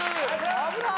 危なーい！